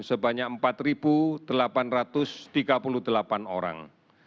sebanyak empat delapan ratus tiga puluh delapan orang